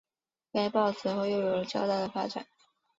该报此后又有了较大发展。